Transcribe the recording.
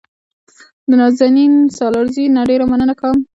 د نازنین سالارزي نه ډېره مننه کوم.